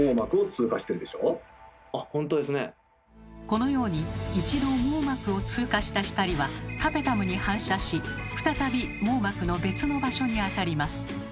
このように一度網膜を通過した光はタペタムに反射し再び網膜の別の場所に当たります。